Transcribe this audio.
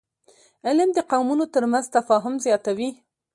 علم د قومونو ترمنځ تفاهم زیاتوي